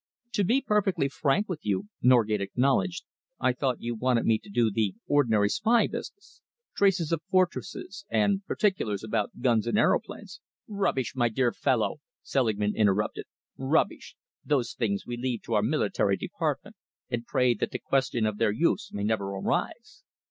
"To be perfectly frank with you," Norgate acknowledged, "I thought you wanted me to do the ordinary spy business traces of fortresses, and particulars about guns and aeroplanes " "Rubbish, my dear fellow!" Selingman interrupted. "Rubbish! Those things we leave to our military department, and pray that the question of their use may never arise.